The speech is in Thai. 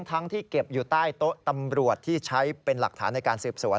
ที่เก็บอยู่ใต้โต๊ะตำรวจที่ใช้เป็นหลักฐานในการสืบสวน